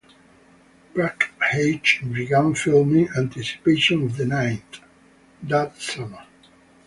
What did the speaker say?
Brakhage began filming "Anticipation of the Night" that summer.